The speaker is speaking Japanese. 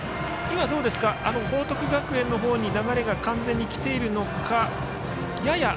今、報徳学園の方に流れが完全に来ているのか。